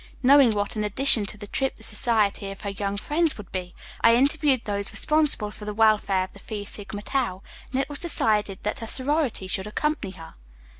Knowing what an addition to the trip the society of her young friends would be, I interviewed those responsible for the welfare of the Phi Sigma Tau, and it was decided that her sorority should accompany her.